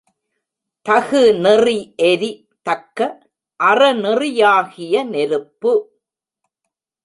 தகுநெறி எரி—தக்க அறநெறியாகிய நெருப்பு.